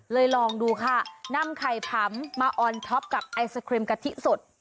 ลองดูค่ะนำไข่ผำมาออนท็อปกับไอศครีมกะทิสด